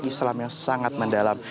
islam yang sangat mendalam